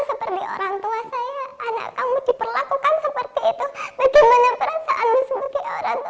seperti orang tua saya anak kamu diperlakukan seperti itu bagaimana perasaanmu sebagai orang tua